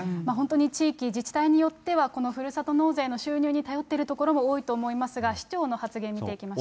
本当に地域、自治体によっては、このふるさと納税の収入に頼っているところも多いと思いますが、市長の発言、見ていきましょう。